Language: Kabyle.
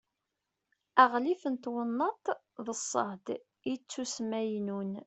aɣlif n twennaḍt d ṣṣehd ittusmaynun